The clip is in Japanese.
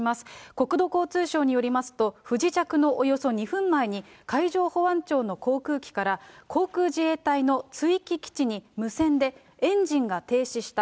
国土交通省によりますと、不時着のおよそ２分前に、海上保安庁の航空機から航空自衛隊のついき基地に無線でエンジンが停止した。